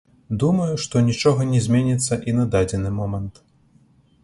Думаю, што нічога не зменіцца і на дадзены момант.